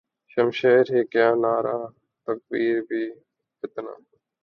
شمشیر ہی کیا نعرہ تکبیر بھی فتنہ